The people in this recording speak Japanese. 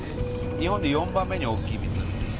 日本で４番目に大きい湖です。